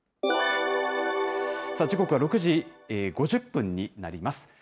時刻は６時５０分になります。